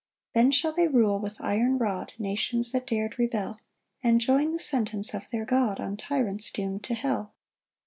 7 Then shall they rule with iron rod Nations that dar'd rebel; And join the sentence of their God On tyrants doom'd to hell.